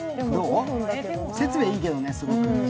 設備はいいけどね、すごく。